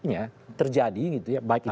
bisa saja kemudian kompromi di elit itu